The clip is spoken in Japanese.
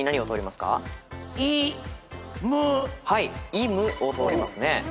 「イ」「ム」を通りますね。